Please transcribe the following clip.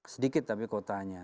sedikit tapi kotanya